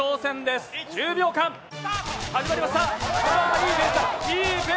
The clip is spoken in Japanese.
いいペースだ。